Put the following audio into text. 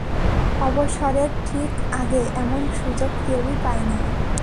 অবসরের ঠিক আগে এমন সুযোগ কেউই পায় না।